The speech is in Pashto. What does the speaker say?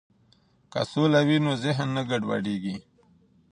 که سوله وي نو ذهن نه ګډوډیږي.